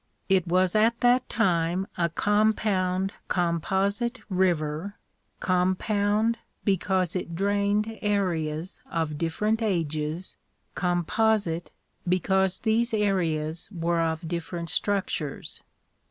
It was at that ~ time a compound, composite river :* compound because it drained areas of different ages ; composite, because these areas were of different structures.